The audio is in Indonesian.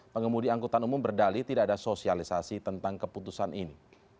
pengemudi angkutan umum berdali tidak ada sosialisasi tentang keputusan ini